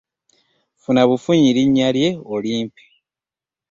Funa bufunyi linnya lye olimpe.